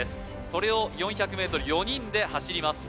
それを４００ｍ４人で走ります